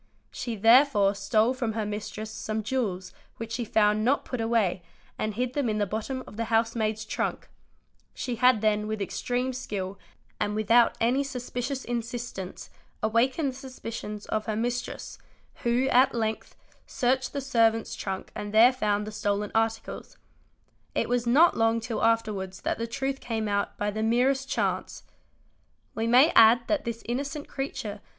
She therefore stole from her | mistress some jewels which she found not put away and hid them im the bottom of the housemaid's trunk; she had then with extreme skil and without any suspicious insistance, awakened the suspicions of he: mistress, who, at length, searched the servant's trunk and there fount the stolen articles. It was not till long afterwards that the truth cam out by the merest chance. We may add that this innocent creature.